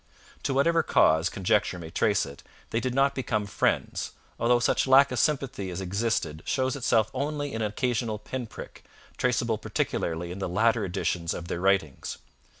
To whatever cause conjecture may trace it, they did not become friends, although such lack of sympathy as existed shows itself only in an occasional pin prick, traceable particularly in the later editions of their writings.